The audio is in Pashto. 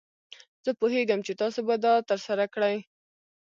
زه پوهیږم چې تاسو به دا ترسره کړئ.